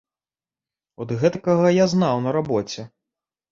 От гэтакага я знаў на рабоце.